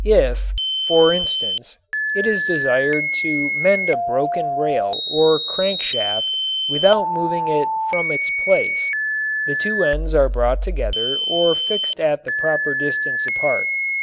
If, for instance, it is desired to mend a broken rail or crank shaft without moving it from its place, the two ends are brought together or fixed at the proper distance apart.